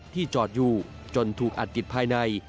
จอดอยู่จนถูกอัดติดภายใน